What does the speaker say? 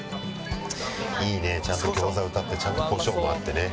いいねちゃんと餃子うたってちゃんとコショウもあってね。